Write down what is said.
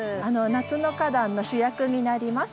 夏の花壇の主役になります。